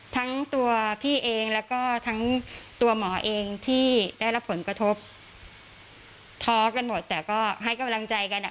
ทั้งตัวพี่เองแล้วก็ทั้งตัวหมอเองที่ได้รับผลกระทบท้อกันหมดแต่ก็ให้กำลังใจกันอ่ะ